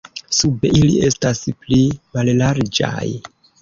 Sube ili estas pli mallarĝaj.